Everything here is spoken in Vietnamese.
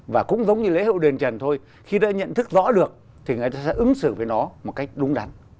và cũng giống như lễ hậu đền trần thôi khi đã nhận thức rõ được thì người ta sẽ ứng xử với nó một cách đúng đắn